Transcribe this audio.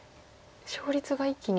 勝率が一気に。